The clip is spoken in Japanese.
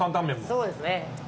そうですね。